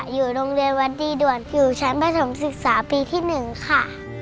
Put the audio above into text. อยู่โรงเรียนวัดดีด่วนอยู่ชั้นประถมศึกษาปีที่๑ค่ะ